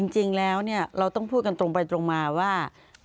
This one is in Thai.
จริงแล้วเราต้องพูดกันตรงไปตรงมาว่า